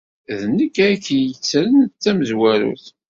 D nekk ay k-yettren d tamezwarut.